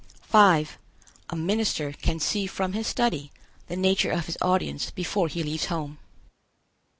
5. A minister can see from his study the nature of his audience before he leaves home.